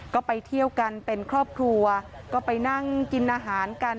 ก็ไปเที่ยวกันเป็นครอบครัวก็ไปนั่งกินอาหารกัน